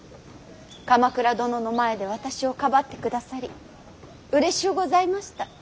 鎌倉殿の前で私をかばってくださりうれしゅうございました。